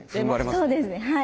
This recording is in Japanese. そうですねはい。